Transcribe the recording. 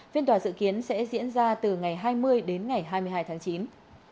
phiên tòa dự kiến sẽ diễn ra từ ngày hai mươi đến ngày hai mươi hai tháng chín